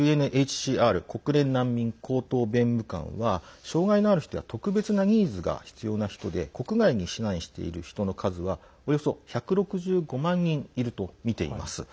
ＵＮＨＣＲ＝国連難民高等弁務官は障害のある人や特別なニーズが必要な人で国外に避難している人の数はおよそ１６５万人いるとみています。